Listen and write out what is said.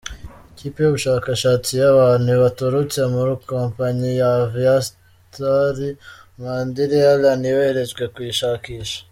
Ikipe y’ubushakashatsi y’abantu baturutse muri kompanyi ya Aviastar Mandiri airline yoherejwe kuyishakisha .